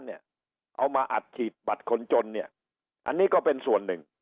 เอามาอัดฉีดบัตรคนจนเนี่ยอันนี้ก็เป็นส่วนหนึ่ง